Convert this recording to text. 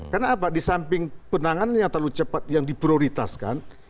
karena apa disamping penanganan yang terlalu cepat yang diprioritaskan